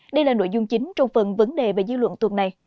đây là nội dung chính trong phần vấn đề và dư luận tuần này